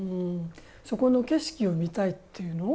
そこの景色を見たいっていうの。